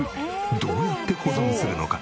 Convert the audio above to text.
どうやって保存するのか。